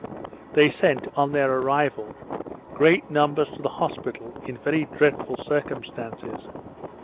They sent, on their arrival, great numbers to the hospital in very dreadful circumstances.